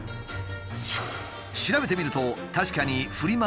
調べてみると確かにフリマ